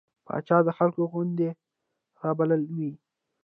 پاچا د خلکو غونده رابللې وه.